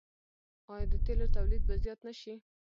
آیا د تیلو تولید به زیات نشي؟